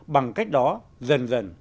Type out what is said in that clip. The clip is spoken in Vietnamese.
bằng cách đó dần dần